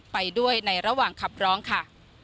ไปด้วยในระหว่างขับร้องค่ะ